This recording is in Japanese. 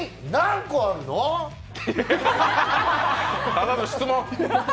ただの質問。